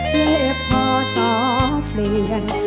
เพื่อภอศาเปลี่ยน